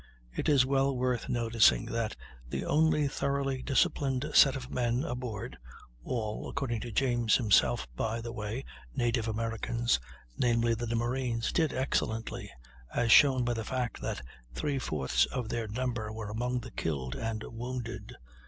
It is well worth noticing that the only thoroughly disciplined set of men aboard (all, according to James himself, by the way, native Americans), namely, the marines, did excellently, as shown by the fact that three fourths of their number were among the killed and wounded.